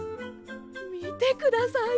みてください